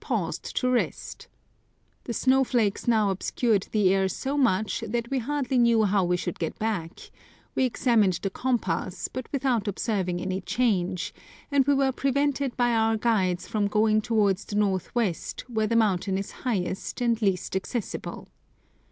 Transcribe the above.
paused to rest The snowflakes now obscured the air so much that we hardly knew how we should get back : we examined the compass, but without observing any change ; and we were prevented by our guides from going towards the north west, where the mountain is highest and least accessible.